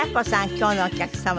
今日のお客様です。